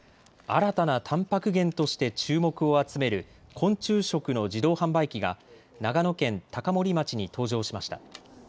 新たなたんぱく源として注目を集める昆虫食の自動販売機が長野県高森町に登場しました。